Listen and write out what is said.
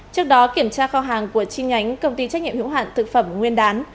trước đó kiểm tra kho hàng của chi nhánh công ty trách nhiệm hữu hạn thực phẩm nguyên đán